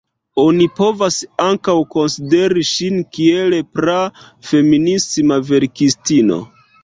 Oni povas ankaŭ konsideri ŝin kiel pra-feminisma verkistino.